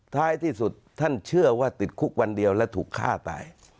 ท้ายที่สุดท่านเชื่อว่าติดคุกวันเดียวและถูกฆ่าตาย